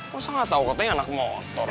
masa gak tau katanya anak motor